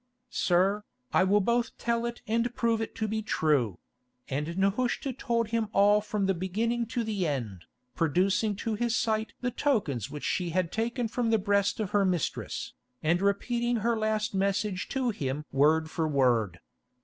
"Sir, I will both tell it and prove it to be true"; and Nehushta told him all from the beginning to the end, producing to his sight the tokens which she had taken from the breast of her mistress, and repeating her last message to him word for word.